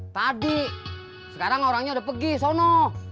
tadi sekarang orangnya udah pergi sono